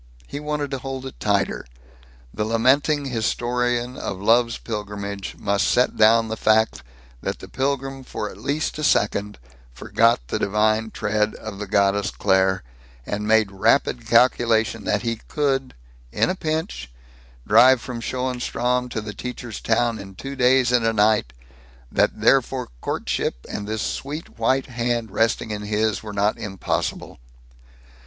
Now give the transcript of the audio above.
He wanted to hold it tighter. The lamenting historian of love's pilgrimage must set down the fact that the pilgrim for at least a second forgot the divine tread of the goddess Claire, and made rapid calculation that he could, in a pinch, drive from Schoenstrom to the teacher's town in two days and a night; that therefore courtship, and this sweet white hand resting in his, were not impossible.